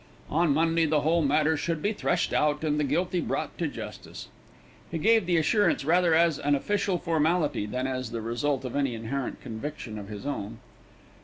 On Monday the whole matter should be threshed out and the guilty brought to justice. He gave the assurance rather as an official formality than as the result of any inherent conviction of his own.